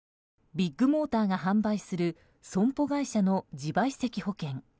ビッグモーターが販売する損保会社の自賠責保険。